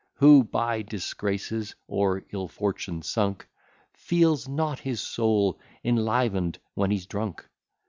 Who, by disgraces or ill fortune sunk, Feels not his soul enliven'd when he's drunk?